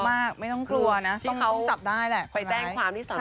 แต่ไม่เห็นหน้าเค้าเลยเดี๋ยวเริ่มปีกันเขาวิ่งไปเลย